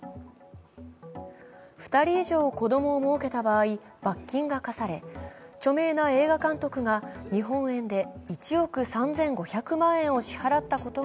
２人以上子供をもうけた場合、罰金が科され、著名な映画監督が日本円で１億３５００万円を支払ったことが